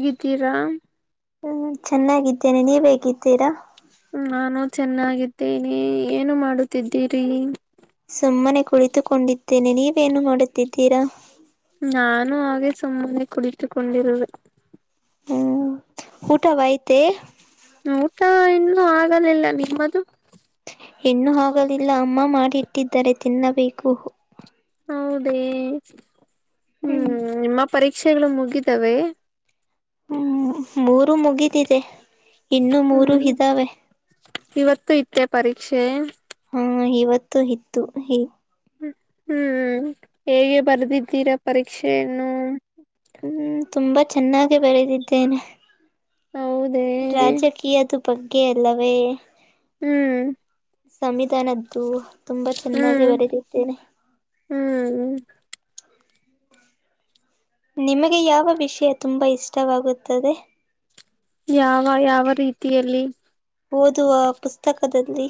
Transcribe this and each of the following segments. ಹೇಗಿದ್ದೀರಾ ಹ ಚೆನ್ನಾಗಿದ್ದೇನೆ ನೀ ಹೇಗ್ಗಿದ್ದೀರಾ ನಾನು ಚೆನ್ನಾಗಿದ್ದೇನೆ ಏನು ಮಾಡುತ್ತಿದ್ದೀರಿ ಸುಮ್ಮನೆ ಕುಳಿತುಕೊಂಡಿದ್ದೇನೆ ನೀವೇನು ಮಾಡುತ್ತಿದ್ದೀರಾ ನಾನು ಹಾಗೆ ಸುಮ್ಮನೆ ಕುಳಿತುಕೊಂಡಿರುವೆ ಹ್ಮ್ ಊಟ ವಾತ್ತೇ ಊಟಾ ಇನ್ನು ಆಗಲಿಲ್ಲಾ ನಿಮ್ಮದು ಇಟ್ಟಿದ್ದರೆ ತಿನ್ನಬೇಕು ಹೌದೇ ಹ್ಮ್ ಪರೀಕ್ಷೆಗಳು ಮುಗಿದವೆ ಹ್ಮ್ ಮೂರು ಮುಗಿದಿದೆ ಇನ್ನು ಮೂರು ಹ್ಮ್ ಇದಾವೆ ಇವತ್ತು ಇತ್ತೆ ಪರೀಕ್ಷೆ ಹಾ ಇವತ್ತು ಇತ್ತು ಹೀ ಹ್ಮ್ ಹ್ ಹೇಗೆ ಬರ್ದಿದ್ದೀರಾ ಪರೀಕ್ಷೆಯನ್ನು ಹ್ಮ್ ತುಂಬಾ ಚೆನ್ನಾಗೆ ಬರೆದಿದ್ದೇನೆ ಹೌದೇ ರಾಜಕೀಯದ ಬಗ್ಗೆ ಅಲ್ಲವೇ ಹ್ಮ್ ಸಂವಿಧಾನದ್ದು ತುಂಬಾ ಚೆನ್ನಾಗಿ ಹ್ಮ್ ಬರೆದಿದ್ದೇನೆ ಹ್ಮ್ ನಿಮಗೆ ಯಾವ ವಿಷಯ ತುಂಬಾ ಇಷ್ಟವಾಗುತ್ತದೆ ಯಾವ ಯಾವ ರೀತಿಯಲ್ಲಿ ಓದುವ ಪುಸ್ತಕದಲ್ಲಿ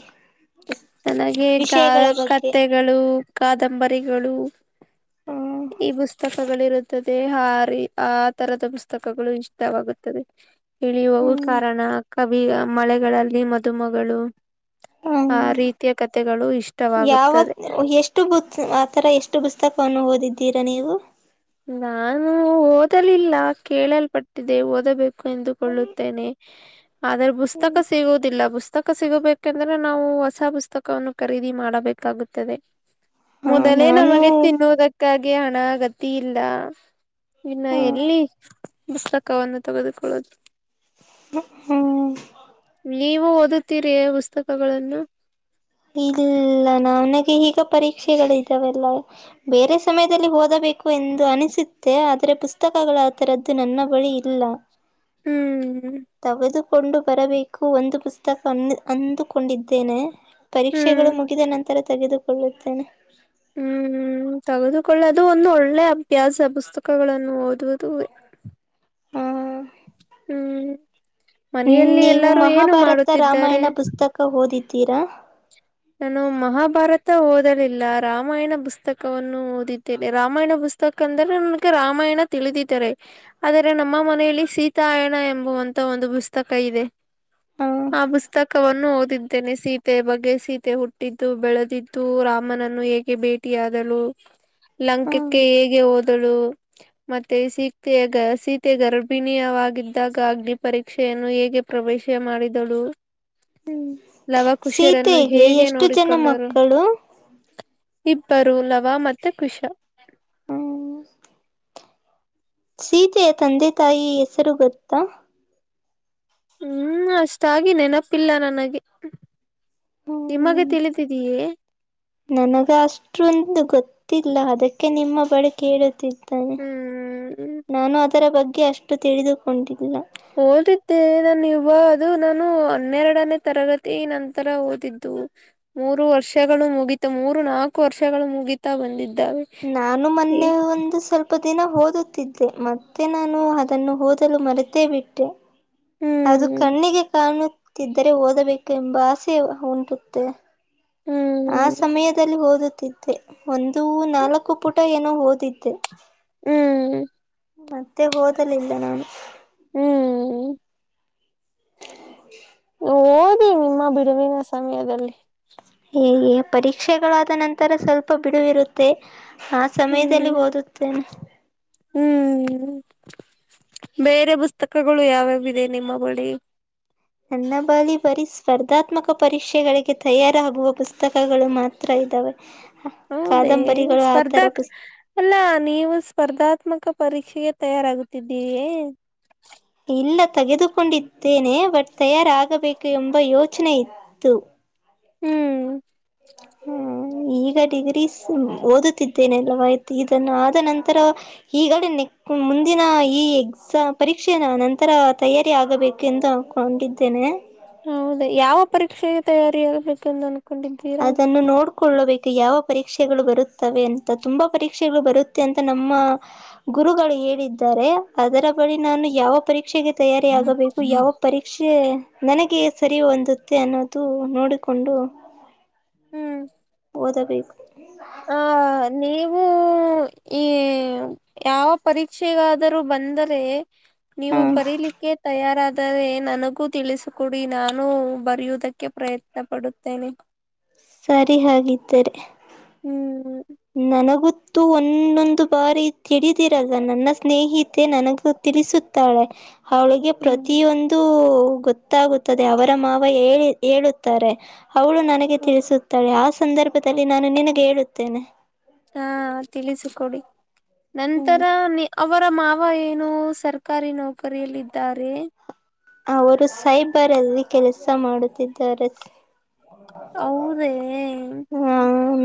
ನನಗೆ ಕ ವಿಷಯಗಳ ಬಗ್ಗೆ ಕತ್ತೆಗಳು ಕಾದಂಬರಿಗಳು ಹ್ಮ್ ಈ ಪುಸ್ತಕಗಳಿರುದ ತದೇ ಹಾರಿ ಆ ತರದ ಪುಸ್ತಕಗಳು ಇಷ್ಟವಾಗುತ್ತದೆ ಇಳಿಯುವವು ಹ್ಮ್ ಕಾರಣ ಕವಿ ಮಳೆಗಳಲ್ಲಿ ಮದುಮಗಳು ಹ್ಮ್ ಆ ರೀತಿಯ ಕಥೆಗಳು ಇಷ್ಟವಾಗುತ್ತದೆ ಆ ತರ ಎಷ್ಟು ಪುಸ್ತಕವನ್ನು ಓದಿದ್ದೀರಾ ನೀವು ನಾನು ಓದಲಿಲ್ಲಾ ಕೇಳಲ್ಪಟ್ಟಿದೆ ಓದಬೇಕು ಎಂದುಕೊಳ್ಳುತ್ತೇನೆ ಆದ್ರ ಪುಸ್ತಕ ಸಿಗುವುದಿಲ್ಲುಸ್ತ ಪುಸ್ತಕ ಸಿಗಬೇಕೆಂದ್ರೆ ನಾವು ಹೊಸ ಪುಸ್ತಕವನ್ನು ಖರೀದಿ ಮಾಡಬೇಕಾಗುತ್ತದೆ ಹ ಮೊದಲೇ ನಾನು ನಮಗೆ ತಿನ್ನುವುದಕ್ಕಾಗಿ ಹಣ ಗತಿ ಇಲ್ಲಾ ಇನ್ನ ಎಲ್ಲಿ ಪುಸ್ತಕವನ್ನು ತೆಗೆದುಕೊಳ್ಳೋದು ಹ್ಮ್ ನೀವು ಓದುತ್ತೀರಿಯೇ ಪುಸ್ತಕಗಳನ್ನು ಇಲ್ಲಾ ನನಗೆ ಈಗ ಪರೀಕ್ಷೆಗಳು ಇದ್ದಾವೆಲ್ಲಾ ಬೇರೆ ಸಮಯದಲ್ಲಿ ಹೋದ ಬೇಕು ಎಂದು ಅನಿಸುತ್ತೆ ಆದ್ರೆ ಪುಸ್ತಕಗಳ ಆಥರದ್ದು ನನ್ನ ಬಳಿ ಇಲ್ಲಾ ಹ್ಮ್ ಕೊಂಡು ಬರಬೇಕು ಒಂದು ಪುಸ್ತಕ ಅ ಅಂದುಕೊಂಡಿದ್ದೇನೆ ಪರೀಕ್ಷೆಗಳು ಹ್ಮ್ ಮುಗಿದ ನಂತರ ತೆಗೆದುಕೊಳ್ಳುತ್ತೇನೆ ಹ್ಮ್ ಹ್ಮ್ ತೆಗೆದುಕೊಳ್ಳೆ ಅದು ಒಂದು ಒಳ್ಳೆ ಅಭ್ಯಾಸ ಪುಸ್ತಕಗಳನ್ನು ಓದುವುದು ಹ್ಮ್ ಹ್ಮ್ ಮನೆಯಲ್ಲಿ ನೀವು ಎಲ್ಲರೂ ಏನು ಮಹಾಭಾರತ ಮಾಡುತ್ತಿದ್ದಾರೆ ರಾಮಾಯಣ ಪುಸ್ತಕ ಓದಿದ ತರ ನಾನು ಮಹಾಭಾರತ ಓದಲಿಲ್ಲ ರಾಮಾಯಣ ಪುಸ್ತಕವನ್ನು ಓದಿದ್ದೇನೆ ರಾಮಾಯಣ ಪುಸ್ತಕ ಯಾಕಂದ್ರೆ ನನ್ಗೆ ರಾಮಾಯಣ ತಿಳಿದಿದ್ದಾರೆ ಆದರೆ ನಮ್ಮ ಮನೆಯಲ್ಲಿ ಸೀತಾಯಣ ಎಂಬುವಂತ ಒ ಂದು ಪುಸ್ತಕ ಇದೆ ಹ ಆ ಪುಸ್ತಕವನ್ನು ಓದಿದ್ದೇನೆ ಸೀತೆ ಬಗ್ಗೆ ಸೀತೆ ಮತ್ತೆ ಹುಟ್ಟಿದ್ದು ಬೆಳೆದಿದ್ದು ರಾಮನನ್ನು ಹೇಗೆ ಭೇಟಿಯಾದಳು ಹ ಲಂಕಕ್ಕೆ ಹೇಗೆ ಹೋದಳು ಮತ್ತೆ ಸೀತೆೆಯ ಸೀತೆ ಗರ್ಭಿಣಿಯ ಆಗಿದ್ದಾಗ ಅಗ್ನಿ ಪರೀಕ್ಷೆಯನ್ನು ಹೇಗೆ ಪ್ರವೇಶ ಮಾಡಿದಳು ಹ್ಮ ಲವಕುಶರನ್ನು ಸೀತೆಗೆ ಹೇಗೆ ಎಷ್ಟು ಜನ ನೋಡಿಕೊಂಡರು ಮಕ್ಕಳು ಇಬ್ಬರು ಲವ ಮತ್ತುತ್ತೆ ಕುಖಶ ಹ್ಮ್ ಸೀತೆಯ ತಂದೆ ತಾಯಿ ಹೆಸರು ಗೊತ್ತಾ ಹ್ಮ್ ಅಷ್ಟಾಗಿೆ ನೆನಪಿಲ್ಲ ನನಗೆ ಹ್ಮ್ ನಿಮಗೆ ತಿಳಿದಿದೀಯೇ ನನಗ ಅಷ್ಟೊಂದು ಗೊತ್ತಿಲ್ಲ ಅದಕ್ಕೆ ನಿಮ್ಮ ಬಳಿಕೆ ಹೇಳುತ್ತಿದ್ದ ಹ್ಮ್ ನಾನು ಅದರ ಬಗ್ಗೆ ಅಷ್ಟು ತಿಳಿದುಕೊಂಡಿದ್ದೆ ಹಓದಿದ್ದೆ ನಾನ ಇವ ಇದು ನಾನು ಹನ್ನೆರಡನೇ ತರಗತಿ ನಂತರ ಓದಿದ್ದು ಮೂರು ವರ್ಷಗಳು ಮುಗ ಇ ಮೂರು ನಾಲ್ಕು ವರ್ಷಗಳು ಮುಗಿತಾ ಬಂದಿದ್ದ ನಾನು ಮೊನ್ನೆ ಒಂದು ಸ್ವಲ್ಪ ಸ್ವಲ್ಪ ದಿನ ಓದುತ್ತಿದ್ದೆ ಮತ್ತೆ ನಾನು ಅದನ್ನು ಓದಲು ಮರೆತೇ ಬಿಟ್ಟೆ ಅದು ಹ್ಮ್ ಕಣ್ಣಿಗೆ ಕಾಣ ಿದ್ದರೆ ಓದಬೇಕು ಎಂಬ ಆಸೆ ಉಂಟುತ್ತೆ ಆ ಹ್ಮ್ ಸಮಯದಲ್ಲಿ ಓದುತ್ತಿದ್ದೆ ಒಂದು ನಾಲ್ಕು ಪುಟ ಏನೋ ಓದಿದ್ದೆ ಹ್ಮ್ ಮತ್ತೆ ಹಓದಲಿಲ್ಲ ನಾನು ಹ್ಮ್ ಹ ಓದಿ ನಿಮ್ಮ ಬಿಡುವಿನ ಸಮಯದಲ್ಲಿ ಹ ಪರೀಕ್ಷೆಗಳಾದ ನಂತರ ಸ್ವಲ್ಪ ಬಿಡುವಿರುತ್ತೆ ಹಾ ಸಮಯದಲ್ಲಿ ಹ್ಮ್ ಓದುತ್ತೇನೆ ಹ್ಮ್ ಬೇರೆ ಪುಸ್ತಕಗಳು ಯಾವ್ಯಾವದೆ ನಿಮ್ಮ ಬಳಿ ನನ್ನ ಬಾಲಿ ಬರೀ ಸ್ಪರ್ಧಾತ್ಮಕ ಪರೀಕ್ಷೆಗಳಿಗೆ ತಯಾರಾಗುವ ಪುಸ್ತಕಗಳು ಮಾತ್ರ ದಾವ ಹೌದೇ ಸ್ಪರ್ಧಾ ಅಲ್ಲ ನೀವು ಸ್ಪರ್ಧಾತ್ಮಕ ಪರೀಕ್ಷೆಗೆ ತಯಾರಾಗುತ್ತಿದ್ದೀವಿ ಇಲ್ಲ ತೆಗೆದುಕೊಂಡಿದ್ದೇನೆ ಬಟ್ ತಯಾರಾಗಬೇಕು ಎಂಬ ಯೋಚನೆ ಇತ್ತು ಹ್ಮ್ ಹ್ಮ ಈಗ ಡಿಗ್ರೀಸ ಓದುತ್ತಿದ್ದೇನೆಲ್ಲವ ಇತ ಇದನ್ನ ಆದ ನಂತರ ಈಗಡ ನೆಕ್ ಮುಂದಿನ ಈ ಎಕ್ಸಾಮ್ ಪರೀಕ್ಷೆನ ನಂತರ ತಯಾರಿ ಆಗಬೇಕು ಎಂದು ಅನ್ಕೊಂಡಿದ್ದೇನೆ. ಹೌದ ಯಾವ ಪರೀಕ್ಷೆಗೆ ತಯಾರಿ ಆಗ್ಬೇಕಂದನ್ ಅದನ್ನು ನೋಡು - ಕೊಳ್ಳಬೇಕು ಯಾವ ಪರೀಕ್ಷೆಗಳು ಬರುತ್ತವೆ ಅಂತ ತುಂಬಾ ಪರೀಕ್ಷೆಗಳು ಬರುತ್ತೆ ಅಂತ ನಮ್ಮ ಗುರುಗಳು ಹೇಳಿದ್ದಾರೆ ಅದರ ಬಳಿ ನಾನು ಯಾವ ಪರೀಕ್ಷೆಗೆ. ತಯಾರಿ ಆಗಬೇಕು ಯಾವ ಪರೀಕ್ಷೆ. ನನಗೆ ಸರಿ ಹೊಂದುತ್ತೆ ಅನ್ನೋದು ನೋಡಿಕೊಂಡು ಹ್ಮ್ ಓದಬೇಕು. ಅ ನೀವು. ಹ್ಮ್ಮ್ ಈ ಯಾವ ಪರೀಕ್ಷೆಗಾದರೂ ಬಂದರೆ. ಹ ನೀವು ಬರೀಲಿಕ್ಕೆ ತಯಾರಾದ ದರೆ ನನಗೂ ತಿಳಿಸುಕೊಡಿ ನಾನು ಬರೆಯುವುದಕ್ಕೆ ಪ್ರಯತ್ನ ಪಡುತ್ತೇನೆ. ಸರಿ ಹಾಗಿದ್ದರೆ. ಹ್ಮ್ ನನಗುತ್ತು ಒಂದೊಂದು ಬಾರಿ ತಿಡಿದಿರಲ್ಲ ನನ್ನ ಸ್ನೇಹಿತೆ ನನಗ ತಿಳಿಸುತ್ತಾಳೆ ಅವಳಿಗೆ ಹ್ಮ್ ಪ್ರತಿಯೊಂದು. ಗೊತ್ತಾಗುತ್ತದೆ ಅವರ ಮಾವ ಹೇಳಿ ಹೇಳುತ್ತಾರೆ. ಅವಳು ನನಗೆ ಅದೇ. ತಿಳಿಸುತ್ತಾಳೆ ಆ ಸಂದರ್ಭದಲ್ಲಿ ನಾನು ನಿನಗೆ ಹೇಳುತ್ತೇನೆ. ಹಾ ತಿಳಿಸಿಕೊಡಿ ನಂತರ ಹ್ಮ್ ನಿ ಅವು ಅವರ ಮಾವ ಏನು ಸರ್ಕಾರಿ ನೌಕರಿಯಲ್ಲಿದ್ದಾರೆ. ಅವರು ಸೈಬರಲ್ಲಿ ಕೆಲಸ ಮಾಡುತ್ತಿದ್ದಾರೆಸ. ಹೌದೇ ಆ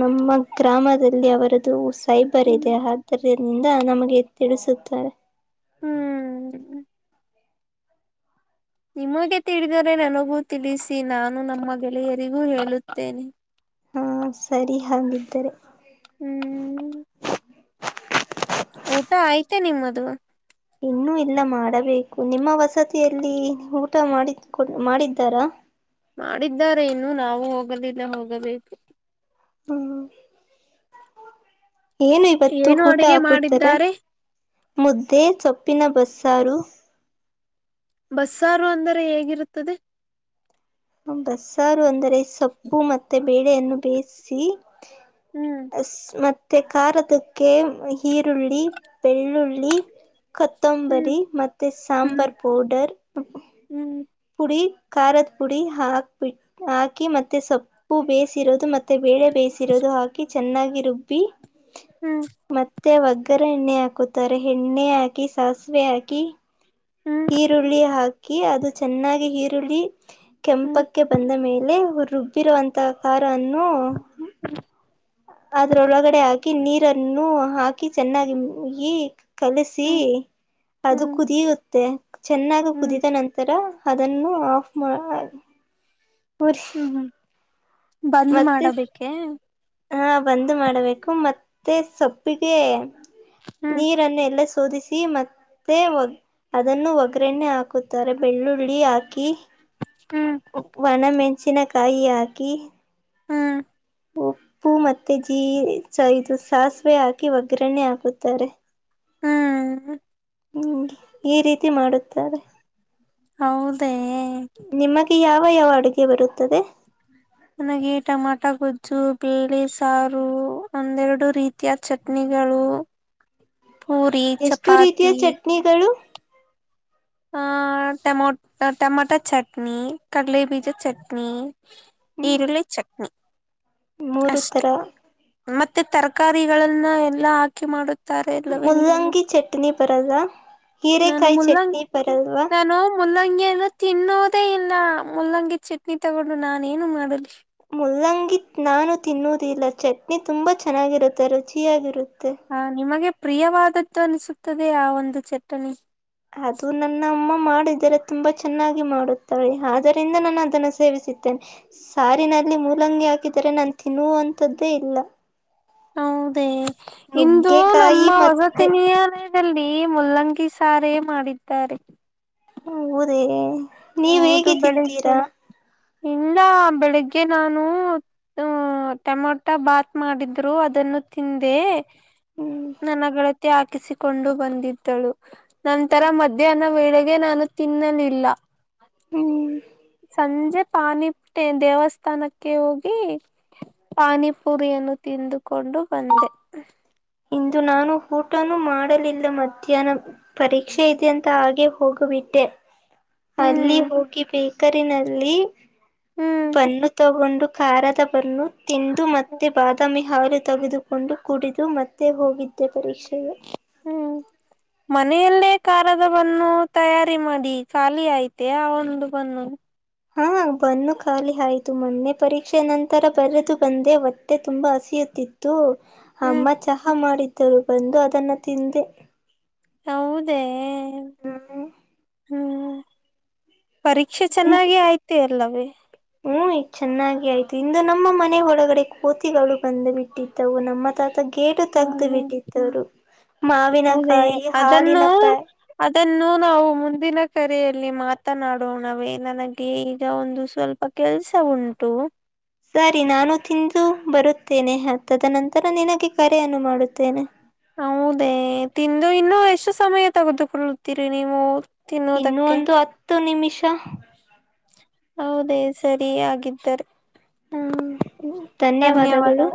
ನಮ್ಮ ಗ್ರಾಮದಲ್ಲಿ ಅವರದ್ದು ಸೈಬರ್ ಹ್ಮ್ ಇದೆ ಆದ್ದರಿನಿಂದ ನಮಗೆ ತಿಳಿಸುತ್ತಾರೆ. ಹ್ಮ್ ನಿಮಗೆ ತಿಳಿದರೆ ನನಗೂ ತಿಳಿಸಿ ನಾನು ನಮ್ಮ ಗೆಳೆಯರಿಗೂ ಹೇಳುತ್ತೇನೆ. ಹಾ ಸರಿ ಹಾಗಿದ್ದರೆ ಹ್ಮ್ ಮ್ ಊಟ ಆಯ್ತ ನಿಮ್ಮದು. ಇನ್ನೂ ಇಲ್ಲ ಮಾಡಬೇಕು ನಿಮ್ಮ ವಸತಿಯಲ್ಲಿ ಊಟ ಮಾಡಿ ಕೊ ಮಾಡಿದ್ದಾರಾ. ಮಾಡಿದ್ದಾರೆ ಇನ್ನು ನಾವು ಹೋಗಲಿಲ್ಲ ಹೋಗಬೇಕು. ಹ್ಮ ಏನು ಇವತ್ತು ಏನು ಊಟ ಅಡುಗೆ ಹಾಕುತ್ತಾರೆ ಮಾಡಿದ್ದಾರೆ? ಮುದ್ದೆ ಸೊಪ್ಪು ಪಿನ ಬಸ್ಸಾರು. ಬಸ್ಸಾರು ಅಂದರೆ ಹೇಗಿರುತ್ತದೆ. ಬಸ್ಸಾರು ಅಂದರೆ ಸೊಪ್ಪು ಮತ್ತೆ ಬೇಳೆಯನ್ನು ಬೇಯಿಸಿ. ಹ್ಮ್ ಅಸ್ ಮತ್ತ ಖಾರದುಕ್ಕೆ ಈರುಳ್ಳಿ ಬೆಳ್ಳುಳ್ಳಿ. ಹ್ಮ್ ಕೊತ್ತಂಬರಿ ಮತ್ತೆ ಹ್ಮ್ ಸಾಂಬಾರ್ ಪೌಡರ್. ಹ್ಮ್ ಪುಡಿ ಖಾರದ ಪುಡಿ ಹಾಕ್ಬಿ ಹಾಕಿ ಮತ್ತೆ ಸೊಪ್ಪು ಬೇಯಿಸಿರೋದು ಮತ್ತೆ ತ್ತೆ ಬೇಳೆ ಬೇಯಿಸಿರೋದು ಹಾಕಿ ಚೆನ್ನಾಗಿ ರುಬ್ಬಿ. ಹ್ಮ್ ಮತ್ತೆ ಒಗ್ಗರಣೆ ಹಾಕುತ್ತಾರೆ ಎಣ್ಣೆ ಹಾಕಿ ಸಾಸಿವೆ ಹಾಕಿ. ಹ್ಮ್ ಈರುಳ್ಳಿ ಹಾಕಿ ಅದು ಚೆನ್ನಾಗಿ ಈರುಳ್ಳಿ ಹ್ಮ್ ಕೆಂಪಕ್ಕೆ ಬಂದ ಮೇಲೆ ರುಬ್ಬಿರುವಂತಹ ಕಾರ ಅನ್ನು. ಹ್ಮ [unintelligible] ಅದ್ರ ಒಳಗಡೆ ಹಾಕಿ ನೀರನ್ನು ಹಾಕಿ ಚೆನ್ನಾಗಿ ಕಲಸಿ ಹ್ಮ್ ಅದು ಹ್ಮ್ ಕುದಿಯುತ್ತೆ ಚೆನ್ನಾಗ ಹ್ಮ್ ಹ್ಮ್ ಕುದಿದ ನಂತರ. ಅದನ್ನು ಆಫ್ ಮಾಡ ಹ್ಮ್ ಹ್ಮ್ ಬಂದ್ ಮಾಡಬೇಕೇ ಹಾ ಬಂದ್ ಮಾಡಬೇಕು ಮತ್ತೆ ಸಬ್ಪ್ಪಿಗೆ ಹ್ಮ್ ನೀರನ್ನು ಎಲ್ಲ ತೋದಿಸಿ ಮತ್ತೆ ಅದನ್ನು ಒಗ್ಗ್ರನೆ ಹಾಕುಉತ್ತಾರೆ ಬೆಳ್ಳುಳ್ಳಿ ಹಾಕಿ ಹ್ಮ್ ವನ ಮೆಂಚಿನ ಕಾಯಿ ಹಾಕಿ ಹ್ಮ ಉಪ್ಪು ಮತ್ತೆ ಜೀ ಇದು ಸಾಸಿವೆ ಹಾಕಿ ಒಗ್ಗರಣರಣೆ ಹಾಕುತ್ತಾರೆ ಹ್ಮ್ ಹ್ಮ ಈ ರೀತಿ ಮಾಡುತ್ತಾರೆ ಹೌದೇ ನಿಮಗೆ ಯಾವ ಯಾವ ಅಡುಗೆ ಬರುತ್ತದೆ ನನಗೆ ಟಮಾಟ ಗೊಜ್ಜು ಬೆಳ್ಳಿ ಸಾರು [unintelligible] ರೀತಿಯ ಚಟ್ನಿ ಗಳು ಪೂರಿ ಎಷ್ಟು ರೀತಿಯ ಚಪಾತಿ ಚಟ್ನಿಗಳು ಹ ಟಮ ಟಮೊಟ ಚಟ್ನಿ ಕಡಲೆ ಬೀಜ ಚಟ್ನಿ ಈರುಳ್ಳಿ ಚಟ್ನಿ ಮೂರು ಅಷ್ಟೆ ತರ ಮತ್ತ ಮತ್ತೆ ತರಕಾರಿಗಳನ್ನ ಎಲ್ಲಾ ಹಾಕಿ ಮಾಡುತ್ತ ಮುಲ್ಲಂಗಿ ಚಟ್ನಿ ಬರಲ್ ಹೀರೆಕಾಯಿ ಚಟ್ನಿ ಬರಲ್ವಾ ಮಲ್ಲಂಗಿಯನ್ನು ತಿನ್ನೋದೇ ಇಲ್ಲ ಮುಲ್ಲಂಗಿ ಚಟ್ನಿ ತಗೊಂಡು ನಾನೇಏನು ಮಾಡಲಿ ಉಲ್ಲಂಗಿ ನಾನು ತಿನ್ನುವುದಿಲ್ಲ ಚಟ್ನಿ ತುಂಬ ಚೆನ್ನಾಗಿರುತ್ತೆ ರುಚಿಯಾಗಿರುತ್ತ ಹ ನಿಮಗೆ ಪ್ರಿಯವಾದದ್ದು ಅನಿಸುತ್ತದೆ ಆ ಒಂದು ಚಟ್ಟನಿ ಅದು ನನ್ನ ಅಮ್ಮ ಮಾಡಿದರೆ ತುಂಬಾ ಚೆನ್ನಾಗಿ ಮಾಡುತ್ತವೆ ಆದರಿಂದ ನಾನು ಅದನ್ನು ಸೇವಿಸುತ್ತೇನೆ ಸಾರಿನ ಅಲ್ಲಿ ಮೂಲಂಗಿ ಹಾಕಿದರೆ ನಾ ತಿನ್ನುವಂಂತದ್ದೇ ಇಲ್ಲ ಹೌದೇ ಇಂದು ನಮ್ಮ ನುಗ್ಗೆಕಾಯಿ ಮತ್ತೆ ವಸತಿನಿಯನಲ್ಲಿ ಈ ಮುಲ್ಲಂಗಿ ಸಾರೇ ಮಾಡಿದ್ದಾರೆ ಹೌದೇ ನೀವ್ ಹೌದು ಹೇಗೆ ಬೆಳಿಗ್ ತಿಂತೀರಾ ಇಲ್ಲ ಬೆಳಿಗ್ಗೆ ನಾನು ಹ ಟಮೊಟೊ ಭಾತ್ ಮಾಡಿದ್ರು ಅದನ್ನು ತಿಂದೆ ಹ್ಮ್ ನನಗಳತ್ತ ಆ ಹಾಕಿಸಿಕೊಂಡು ಬಂದಿದ್ದಳು ನಂತರ ಮಧ್ಯಾಹ್ನ ವೇಳೆಗೆ ನಾನು ತಿನ್ನಲಿಲ್ಲ ಹ್ಮ್ ಸಂಜೆ ಪಾನಿಟ್ಟೆ ದೇವಸ್ಥಾನಕ್ಕೆ ಹೋಗಿ ಪಾನಿಪುರಿಯನ್ನು ತಿಂದುಕೊಂಡು ಬಂದೆ ಇಂದು ನಾನು ಊಟನೂ ಮಾಡಲಿಲ್ಲ ಮಧ್ಯಾಹ್ನ ಪರೀಕ್ಷೆ ಇದ್ಯಂತ ಹಾಗೆ ಹೋಗಬೇಕ ಬಿಟ್ಟೆ ಅಲ್ಲಿ ಹ್ಮ್ ಹೋಗಿ ಬೇಕರಿನಲ್ಲಿ ಹ್ಮ್ ಬನ್ನು ತಗೊಂಡು ಖಾರದ ಬನ್ನು ತಿಂದು ಮತ್ತೆ ಬಾದಾಮಿ ಹಾಲು ತೆಗೆದುಕೊಂಡು ಕುಡಿದು ಮತ್ತೆ ಹೋಗಿದ್ದೆ ಪರೀಕ್ಷೆಗೆ ಹ ಮನೆಯಲ್ಲೇ ಖಾರದ ಬನ್ನು ತಯಾರಿ ಮಾಡಿ ಖಾಲಿ ಆಐತೆ ಆ ಒಂದು ಬನ್ನು ಹಾ ಬನ್ನು ಖಾಲಿ ಆಯ್ತು ಮೊನ್ನೆ ಪರೀಕ್ಷೆ ನಂತರ ಬರೆದು ಬಂದೆ ಹೊತ್ತೆ ತುಂಬಾ ಹಸಿ ತೆಗೆದಿತ್ತು ಹ್ಮ್ ಅಮ್ಮ ಚಹಾ ಮಾಡಿದ್ದರು ಬಂದು ಅದನ್ನ ತಿಂದೆ ಹೌದೇ ಹ್ಮ್ ಹ್ಮ್ ಹ್ಮ್ ಪರೀಕ್ಷೆ ಚೆನ್ನಾಗಿ ಆಯ್ತ ಅಲ್ಲವೇ ಹ್ಮ್ ಈಗ ಚೆನ್ನಾಗಿ ಆಯ್ತು ಇಂದು ನಮ್ಮ ಮನೆ ಒಳಗಡೆ ಕೋತಿಗಳು ಬಂದು ಬಿಟ್ಟಿದ್ದವು ನಮ್ಮ ತಾತ ಗೇಟು ತಗ್ದು ಹ್ಮ ಬಿಟ್ಟಿದ್ದವರು ಮಾವಿನ ಕಾಯಿ ಹಾಲಿನ ಪ್ಯಾ ಇದನ್ನು ನಾವು ಮುಂದಿನ ಕರೆಯಲ್ಲಿ ಮಾತನಾಡೋಣವೇ ನನಗೆ ಈಗ ಒಂದು ಸ್ವಲ್ಪ ಕೆಲ್ಸ ಉಂಟು ಸರಿ ನಾನು ತಿಂದು ಬರುತ್ತೇನೆ ಹತ್ತದ ನಂತರ ನಿನಗೆ ಕರೆಯನ್ನು ಮಾಡುತ್ತೇನೆ ಹೌದೇ ತಿಂದು ಇನ್ನು ಎಷ್ಟು ಸಮಯ ತಗದುು ಕುಲತೀರಿ ನೀವು ಇನ್ನ ತಿನ್ನುವುದಕ್ಕೆ ಒಂದು ಹತ್ತು ನಿಮಿಷ ಹೌದೇ ಸರಿ ಆಗಿದ್ದಿದ್ದಾರೆ ಹಾ ಧನ್ಯವಾದಗಳು ಧನ್ಯವಾದ